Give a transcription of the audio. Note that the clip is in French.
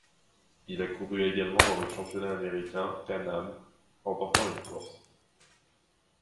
Il a couru également dans le championnat américain CanAm, remportant une course.